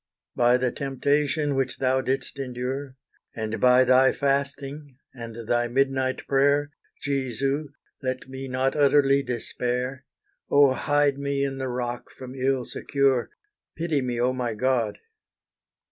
By the temptation which Thou didst endure, And by Thy fasting and Thy midnight prayer, Jesu! let me not utterly despair; Oh! hide me in the Rock from ill secure, Pity me, oh my God!